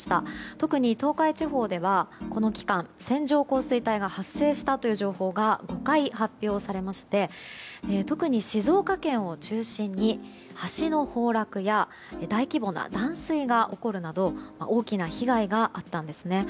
特に東海地方ではこの期間、線状降水帯が発生したという情報が５回発表されまして特に静岡県を中心に橋の崩落や大規模な断水が起こるなど大きな被害があったんです。